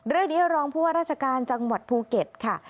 เรื่องนี้รองผู้ว่าราชการจังหวัดภูเก็ตค่ะ